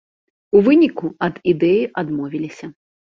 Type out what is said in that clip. У выніку ад ідэі адмовіліся.